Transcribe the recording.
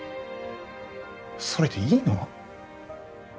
それでいいの？